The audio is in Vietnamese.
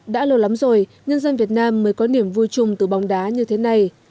đã lâu lắm rồi nhân dân việt nam mới có niềm vui chung từ bóng đá như thế này